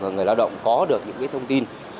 người lao động có được những thông tin